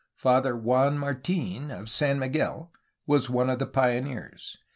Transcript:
Father Juan Martin of San Miguel was one of the pioneers.